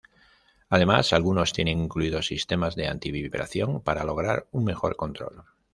Además, algunos tienen incluidos sistemas de anti-vibración para lograr un mejor control.